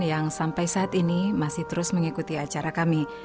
yang sampai saat ini masih terus mengikuti acara kami